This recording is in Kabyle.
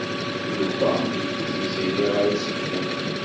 Yuba yewwi Tiziri ɣer usegnaf.